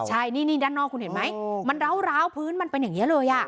ใช่นี่ด้านนอกคุณเห็นไหมมันร้าวพื้นมันเป็นอย่างนี้เลย